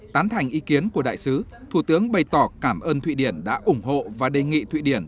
tán thành ý kiến của đại sứ thủ tướng bày tỏ cảm ơn thụy điển đã ủng hộ và đề nghị thụy điển